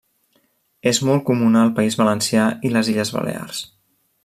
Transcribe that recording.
És molt comuna al País Valencià i les Illes Balears.